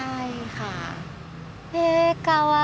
へえかわいい。